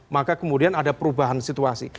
maka kemudian ada perubahan situasi